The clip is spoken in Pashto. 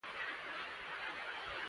د افغان سترګې د غیرت رڼا لري.